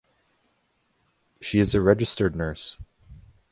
She is a registered nurse.